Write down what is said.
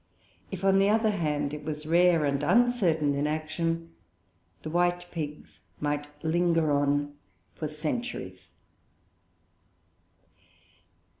If, on the other hand, it was rare and uncertain in action, the white pigs might linger on for centuries.